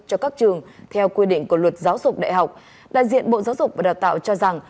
cho các trường theo quy định của luật giáo dục đại học đại diện bộ giáo dục và đào tạo cho rằng